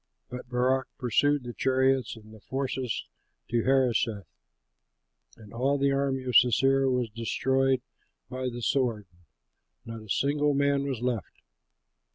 But Barak pursued the chariots and the forces to Harosheth; and all the army of Sisera was destroyed by the sword; not a single man was left.